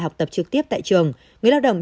học tập trực tiếp tại trường người lao động